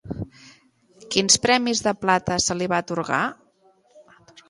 Quins premis de plata se li va atorgar?